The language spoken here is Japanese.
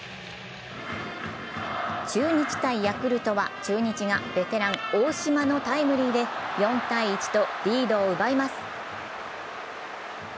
中日×ヤクルトは中日がベテラン・大島のタイムリーで４−１とリードを奪います。